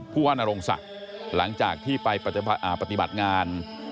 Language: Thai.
ผู้ว่านโรงศักดิ์หลังจากที่ไปปฏิบัติงาน